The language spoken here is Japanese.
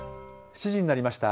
７時になりました。